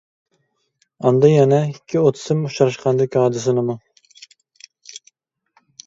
ئاندىن يەنە ئىككى ئوت سىم ئۇچراشقاندىكى ھادىسىنىمۇ.